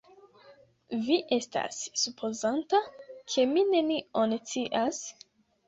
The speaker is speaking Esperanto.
Vi estas supozanta, ke mi nenion scias?